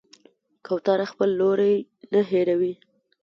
کوتره خپل لوری نه هېروي.